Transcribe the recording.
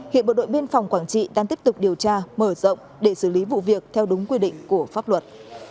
hiện bộ đội biên phòng quảng trị đang tiếp tục điều tra mở rộng để xử lý vụ việc theo đúng quy định của pháp luật